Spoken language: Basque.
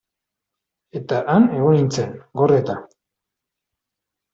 Eta han egon nintzen, gordeta.